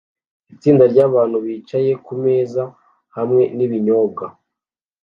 Itsinda ryabantu bicaye kumeza hamwe n'ibinyobwa